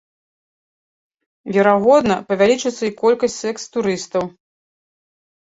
Верагодна, павялічыцца і колькасць сэкс-турыстаў.